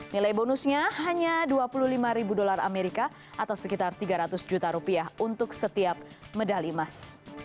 nilai bonusnya hanya dua puluh lima ribu dolar amerika atau sekitar tiga ratus juta rupiah untuk setiap medali emas